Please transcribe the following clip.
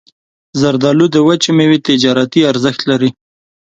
زردالو د وچې میوې تجارتي ارزښت لري.